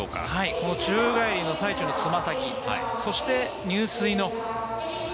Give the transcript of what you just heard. この宙返りの最中のつま先そして、入水の。